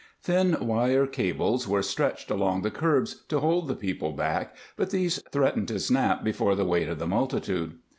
Thin wire cables were stretched along the curbs, to hold the people back, but these threatened to snap before the weight of the multitude.